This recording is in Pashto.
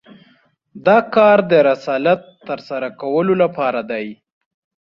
دا کار د رسالت تر سره کولو لپاره دی.